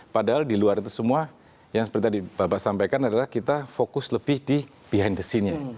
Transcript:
padahal di luar itu semua yang seperti tadi bapak sampaikan adalah kita fokus lebih di behind the scene nya